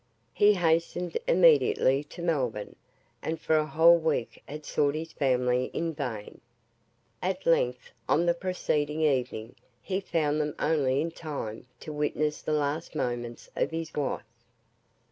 He hastened immediately to Melbourne, and for a whole week had sought his family in vain. At length, on the preceding evening, he found them only in time to witness the last moments of his wife.